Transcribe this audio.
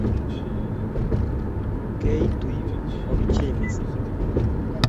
Keitu yu ko pichiy mising